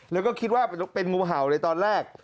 แล้วก็คิดว่าเป็นงูเห่าในตอนแรก